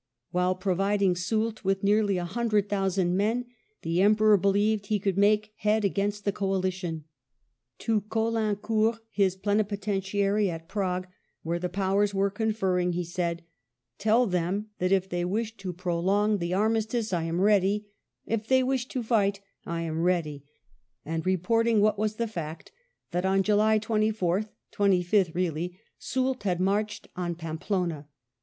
While providing Soult with nearly a hundred thousand men, the Emperor believed he could make head against the coalitioa To Caulincourt, his pleni potentiary at Prague, where the Powers were conferring, he said, "Tell them that if they wish to prolong the i82 WELLINGTON chap. armistice, I am ready; if they wish to fight, I am ready ;" and reporting what was the fact, that on July 24th (25th really) Soult had marched on Pampeluna.